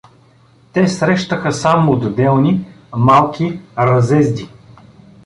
Те срещаха само отделни, малки разезди.